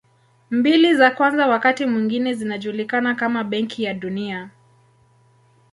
Mbili za kwanza wakati mwingine zinajulikana kama Benki ya Dunia.